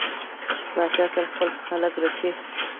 پاچا تل خپل خلک رټي.